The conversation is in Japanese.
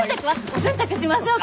お洗濯しましょうか？